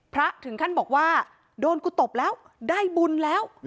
พระถึงขั้นบอกว่าโดนกูตบแล้วได้บุญแล้ว